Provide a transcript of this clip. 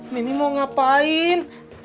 mimi mau ngapain